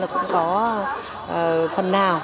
cũng có phần nào